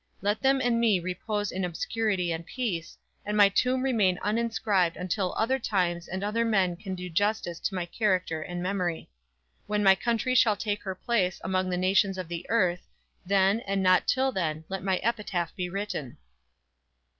Let them and me repose in obscurity and peace, and my tomb remain uninscribed until other times and other men can do justice to my character and memory. When my country shall take her place among the nations of the earth, then, and not till then, let my epitaph be written."